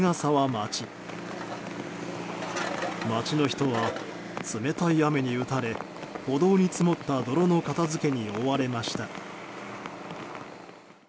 町の人は、冷たい雨に打たれ歩道に積もった泥の片づけに追われました。